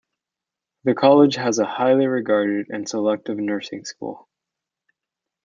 The college has a highly regarded and selective nursing school.